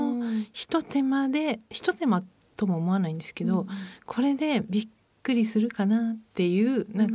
ひと手間とも思わないんですけどこれでびっくりするかなっていうなんか